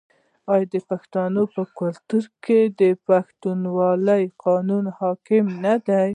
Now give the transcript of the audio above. آیا د پښتنو په کلتور کې د پښتونولۍ قانون حاکم نه دی؟